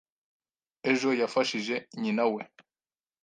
Ejo yafashije nyinawe?